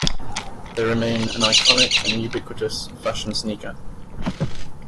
They remain an iconic and ubiquitous fashion sneaker.